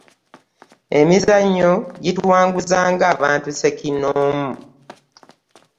emizannyo gituwanguzza nga abantu ssekinnoomu